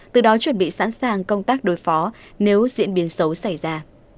từ đó chuẩn bị sẵn sàng công tác đối phó nếu diễn biến xấu xảy ra